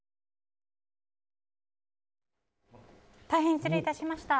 大変失礼いたしました。